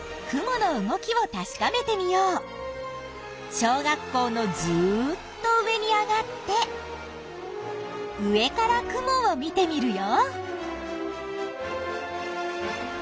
小学校のずっと上に上がって上から雲を見てみるよ。